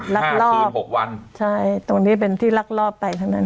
ลักลอบคืนหกวันใช่ตรงนี้เป็นที่ลักลอบไปทั้งนั้น